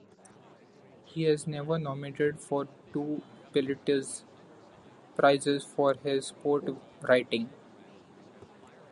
He has been nominated for two Pulitzer Prizes for his sports writing.